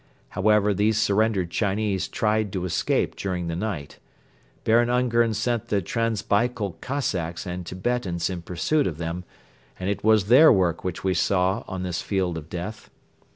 However, these surrendered Chinese tried to escape during the night. Baron Ungern sent the Transbaikal Cossacks and Tibetans in pursuit of them and it was their work which we saw on this field of death.